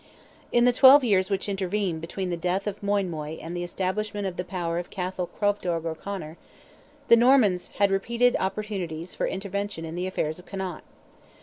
In the twelve years which intervened between the death of Moinmoy and the establishment of the power of Cathal Crovdearg O'Conor, the Normans had repeated opportunities for intervention in the affairs of Connaught.